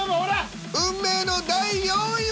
運命の第４位は！